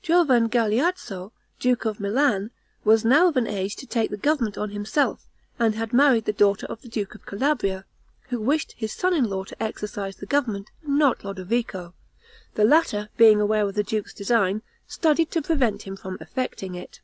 Giovan Galeazzo, duke of Milan, was now of an age to take the government on himself, and had married the daughter of the duke of Calabria, who wished his son in law to exercise the government and not Lodovico; the latter, being aware of the duke's design, studied to prevent him from effecting it.